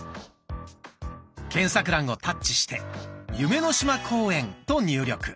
検索欄をタッチして「夢の島公園」と入力。